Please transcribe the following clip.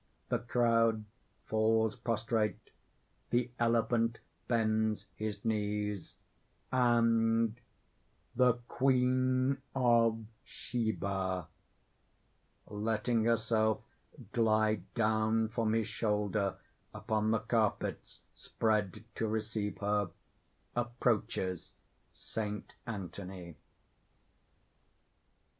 The crowd falls prostrate; the elephant bends his knees; and_ THE QUEEN OF SHEBA _letting herself glide down from his shoulder upon the carpets spread to receive her, approaches Saint Anthony.